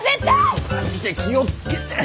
ちょマジで気を付けて。